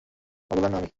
অবলা না আমি।